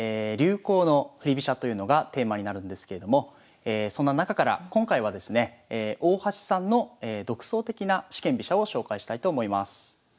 流行の振り飛車というのがテーマになるんですけれどもそんな中から今回はですね大橋さんの独創的な四間飛車を紹介したいと思います。